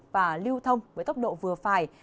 và lưu thông với tốc độ vừa phải